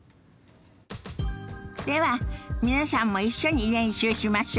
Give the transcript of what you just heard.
では皆さんも一緒に練習しましょ。